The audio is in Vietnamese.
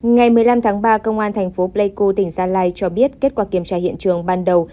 ngày một mươi năm tháng ba công an thành phố pleiku tỉnh gia lai cho biết kết quả kiểm tra hiện trường ban đầu